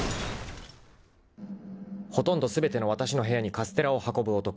［ほとんど全てのわたしの部屋にカステラを運ぶ男］